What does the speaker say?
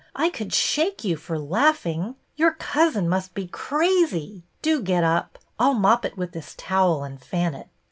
I could shake you for laughing. Your cousin must be crazy. Do get up. I 'll mop it with this towel and fan it.